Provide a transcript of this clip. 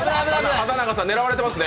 畠中さん狙われてますね。